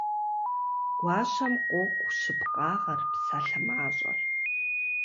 Гуащэм къокӀу щыпкъагъэр, псалъэ мащӀэр.